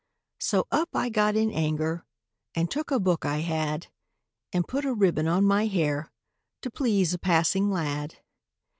So up I got in anger, And took a book I had, And put a ribbon on my hair To please a passing lad.